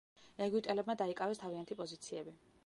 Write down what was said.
ეგვიპტელებმა დაიკავეს თავიანთი პოზიციები.